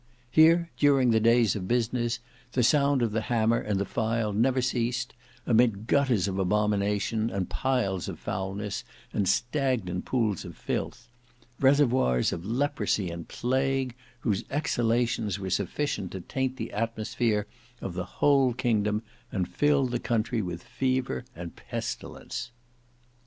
Here during the days of business, the sound of the hammer and the file never ceased, amid gutters of abomination and piles of foulness and stagnant pools of filth; reservoirs of leprosy and plague, whose exhalations were sufficient to taint the atmosphere of the whole kingdom and fill the country with fever and pestilence.